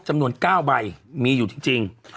จำนวน๙ใบมีอยู่จริง